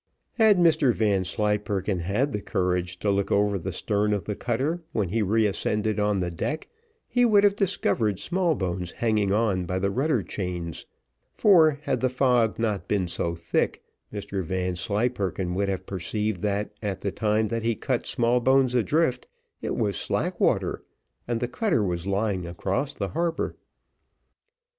Had Mr Vanslyperken had the courage to look over the stern of the cutter when he re ascended on the deck, he would have discovered Smallbones hanging on by the rudder chains; for had the fog not been so thick, Mr Vanslyperken would have perceived that at the time that he cut Smallbones adrift it was slack water, and the cutter was lying across the harbour.